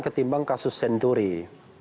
ketimbang kasus centuring